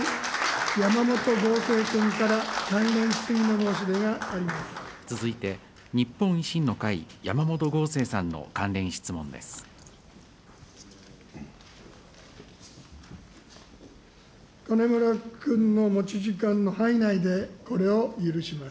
山本剛正君から、続いて、日本維新の会、山本剛正さんの関連質問です。